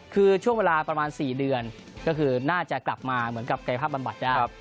คือช่วงเวลาประมาณ๔เดือนก็คือน่าจะกลับมาเหมือนกับกายภาพบำบัดได้